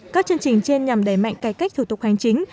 các chương trình trên nhằm đẩy mạnh cải cách thủ tục hành chính